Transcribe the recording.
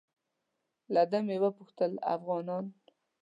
له ده مې وپوښتل افغانان.